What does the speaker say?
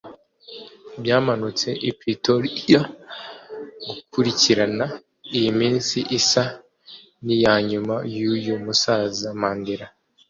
byamanutse i Pretoria gukurikirana iyi minsi isa n’iya nyuma y’uyu musaza Mandela